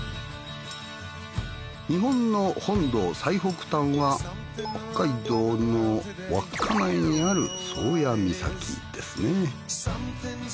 日本の本土最北端は北海道の稚内にある宗谷岬ですね。